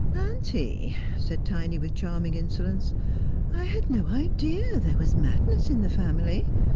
' Auntie,' said Tiny, with charming insolence, ' I had no idea there was madness in the family.